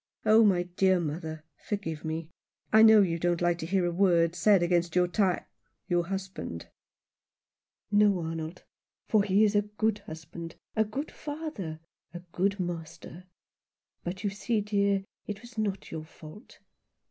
Oh, my dear mother, forgive me. I know you don't like to hear a word said against your ty — your husband." " No, Arnold, for he is a good husband, a good father, a good master. But you see, dear, it was not your fault.